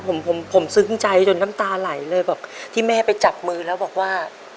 ผมผมซึ้งใจจนน้ำตาไหลเลยบอกที่แม่ไปจับมือแล้วบอกว่า